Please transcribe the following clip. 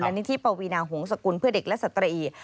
นิธิปวีนาหงษกุลเพื่อเด็กและสตรี